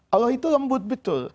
allah itu lembut betul